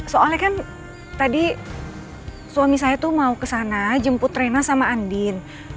soalnya kan tadi suami saya tuh mau kesana jemput reina sama andin